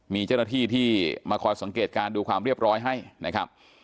มีเจ้าหน้าที่ที่มาคอยสังเกตการณ์ดูความเรียบร้อยให้นะครับ